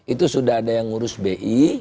itu sudah ada yang ngurus bi